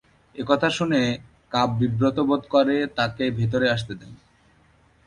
একথা শুনে কাব বিব্রত বোধ করে তাকে ভেতরে আসতে দেন।